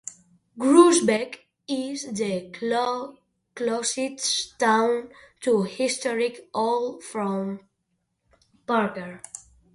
Groesbeck is the closest town to historic Old Fort Parker.